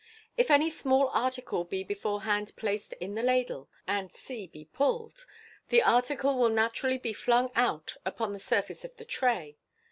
If any small article be beforehand placed in the ladle, and b be pulled, the article will naturally De flung out upon the surface of the tray.